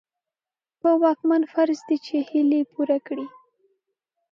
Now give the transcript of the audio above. په واکمن فرض دي چې هيلې پوره کړي.